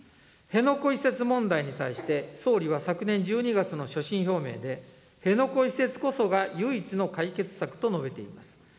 辺野古移設問題に対して、総理は昨年１２月の所信表明で、辺野古移設こそが唯一の解決策と述べています。